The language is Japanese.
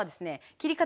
切り方